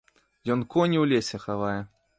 Ён коні ў лесе хавае.